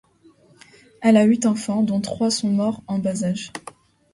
Elle a eu huit enfants, dont trois sont morts en bas-âge.